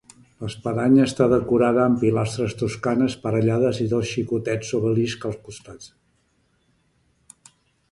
L'Espadanya està decorada amb pilastres toscanes parellades i dos xicotets obeliscs als costats.